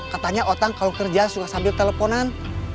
katanya orang kalau kerja suka sambil teleponan